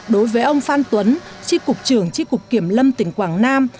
đối với ông phan tuấn chi cục trưởng chi cục kiểm lâm tỉnh quảng nam